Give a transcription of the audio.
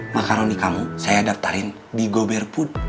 makaroni kamu saya daftarin di gobear food